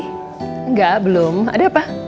enggak belum ada apa